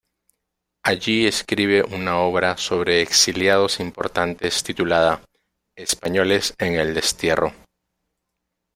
Allí escribe una obra sobre exiliados importantes titulada "Españoles en el destierro.